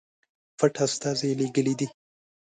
پټ استازي لېږلي دي.